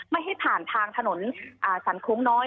ไม่ให้ผ่านถนนสรรคงน้อย